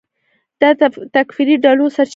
دا د تکفیري ډلو سرچینه ده.